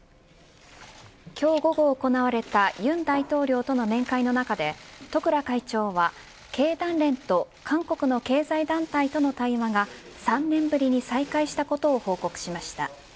今日午後行われた尹大統領との面会の中で十倉会長は経団連と韓国の経済団体との対話が３年ぶりに再開したことを報告しました。